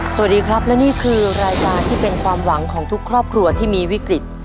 สวัสดีครับและนี่คือรายการที่เป็นความหวังของทุกครอบครัวที่มีวิกฤต